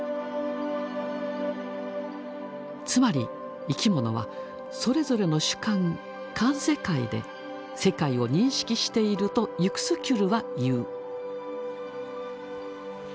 つまり生き物はそれぞれの主観「環世界」で世界を認識しているとユクスキュルは言う。